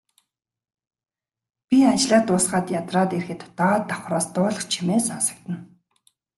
Би ажлаа дуусгаад ядраад ирэхэд доод давхраас дуулах чимээ сонсогдоно.